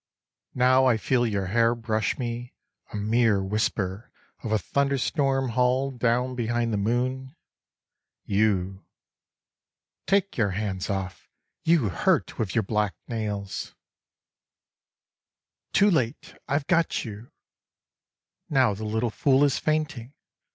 Now I feel your hair brush me, a mere whisper of a thunderstorm hull down behind the moon, you ...."" Take your hands off! You hurt with your black nails." 16 " Too late ! I've got you !.... Now the little fool is fainting.